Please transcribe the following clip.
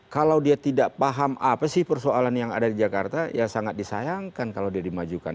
kalau dia tidak paham apa sih persoalan yang ada di jakarta ya sangat disayangkan kalau dia dimajukan